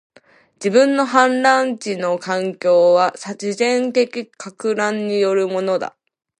自然の氾濫地の環境は、自然的撹乱によるものだ